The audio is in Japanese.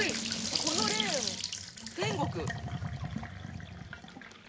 このレーン天国。